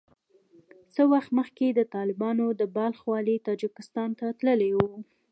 څه وخت مخکې د طالبانو د بلخ والي تاجکستان ته تللی وو